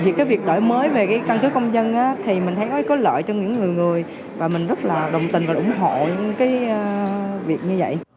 vì cái việc đổi mới về cái căn cứ công dân thì mình thấy có lợi cho những người người và mình rất là đồng tình và ủng hộ những cái việc như vậy